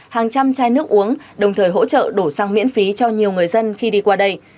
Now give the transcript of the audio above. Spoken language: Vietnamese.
hàng trăm chai nước uống đồng thời hỗ trợ đổ xăng miễn phí cho nhiều người dân khi đi qua đây